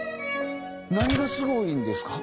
何がすごいんですか？